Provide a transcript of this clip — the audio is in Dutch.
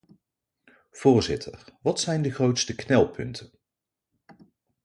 Voorzitter, wat zijn de grootste knelpunten?